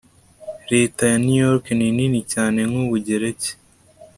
Leta ya New York ni nini cyane nkUbugereki